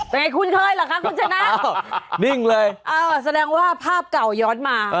เป็นไงคุณเคยเหรอคะคุณชนะนิ่งเลยเออแสดงว่าภาพเก่าย้อนมา